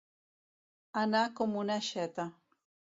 Anar com una aixeta.